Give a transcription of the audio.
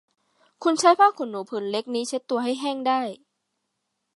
คุณใช้ผ้าขนหนูผืนเล็กนี้เช็ดตัวให้แห้งได้